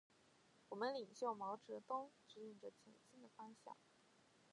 我们领袖毛泽东，指引着前进的方向。